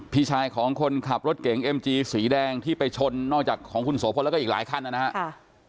พี่ชายของคนขับรถเก๋งเอ็มจีสีแดงที่ไปชนนอกจากของคุณโสพลแล้วก็อีกหลายคันนะครับ